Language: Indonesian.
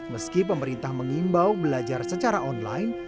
meski pemerintah mengimbau belajar secara online